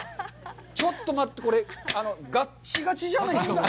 ちょっと待って、これ、ガッチガチじゃないですか、これ。